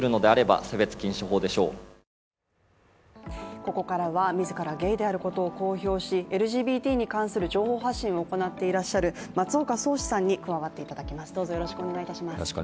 ここからは自らゲイであることを公表し、ＬＧＢＴに関する情報発信を行っている松岡宗嗣さんに加わっていただきます。